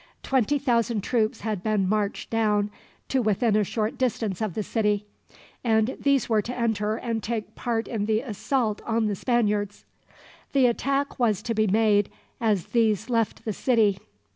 Twenty thousand troops had been marched down to within a short distance of the city, and these were to enter and take part in the assault on the Spaniards. The attack was to be made as these left the city.